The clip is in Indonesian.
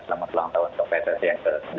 selamat ulang tahun ke vts yang ke tujuh puluh